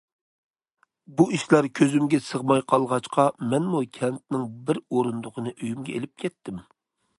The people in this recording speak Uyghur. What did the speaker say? بۇ ئىشلار كۆزۈمگە سىغماي قالغاچقا، مەنمۇ كەنتنىڭ بىر ئورۇندۇقىنى ئۆيۈمگە ئېلىپ كەتتىم.